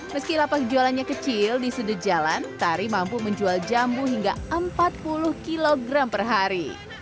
meski lapak jualannya kecil di sudut jalan tari mampu menjual jambu hingga empat puluh kg per hari